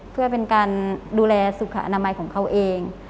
เพื่อเป็นการดูแลสุขอนามัยของเขาเอง